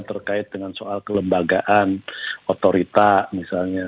terkait dengan soal kelembagaan otorita misalnya